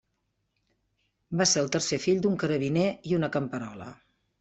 Va ser el tercer fill d'un carabiner i una camperola.